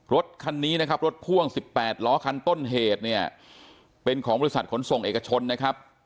รถคันนี้นะครับรถพ่วง๑๘ล้อคันต้นเหตุเนี่ยเป็นของบริษัทขนส่งเอกชนนะครับ